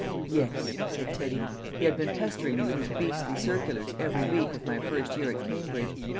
"Yes," said Teddy; "he had been pestering me with his beastly circulars every week of my first year at Cambridge.